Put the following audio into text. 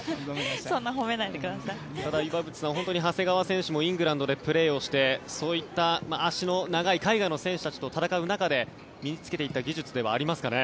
岩渕さん、長谷川選手もイングランドでプレーをしてそんな足の長い海外の選手たちと戦う中で身に着けていった技術ではありますかね。